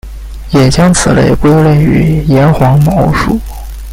也将此类归类于岩黄蓍属。